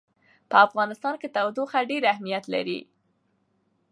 په افغانستان کې تودوخه ډېر اهمیت لري.